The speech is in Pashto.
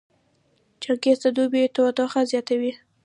چنګاښ د دوبي تودوخه زیاتوي.